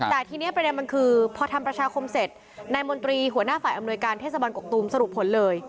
แต่ทีนี้ประเด็นมันคือพอทำประชาคมเสร็จนายมนตรีหัวหน้าฝ่ายอำนวยการเทศบาลกกตูมสรุปผลเลย